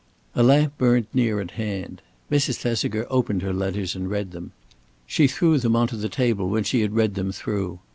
A lamp burned near at hand. Mrs. Thesiger opened her letters and read them. She threw them on to the table when she had read them through.